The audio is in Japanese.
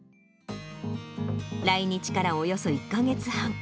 来日からおよそ１か月半。